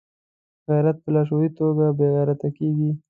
غیرت په لاشعوري توګه بې غیرته کېږي.